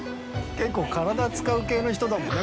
結構体使う系の人だもんね